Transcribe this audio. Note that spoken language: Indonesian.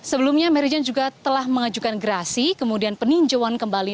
dan sebelumnya merijan juga telah mengajukan gerasi kemudian peninjauan kembali